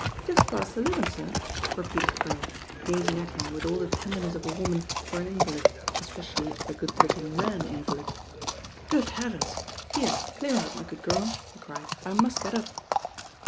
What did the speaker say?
"Just past eleven, sir," repeated the girl, gazing at him with all the tenderness of a woman for an invalid, especially a good looking man invalid. "Good heavens 1 Here, clear out, my good girl," he cried. "I must get up."